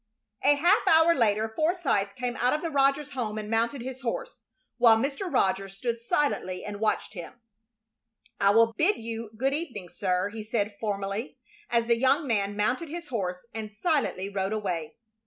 A half hour later Forsythe came out of the Rogers house and mounted his horse, while Mr. Rogers stood silently and watched him. "I will bid you good evening, sir," he said, formally, as the young man mounted his horse and silently rode away.